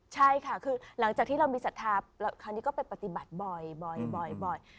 ใช่ค่ะคือหลังจากที่เรามีศรัทธาคราวนี้ก็ไปปฏิบัติบ่อย